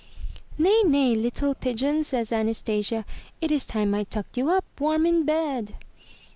'* ''Nay, nay, little pigeon,*' says Anastasia, "it is time I tucked you up warm in bed."